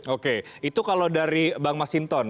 oke itu kalau dari bang masinton